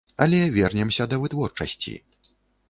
Але вернемся да вытворчасці.